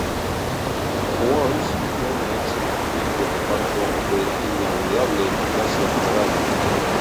Wells fue una eximia actriz de reparto de indudable eficacia actoral.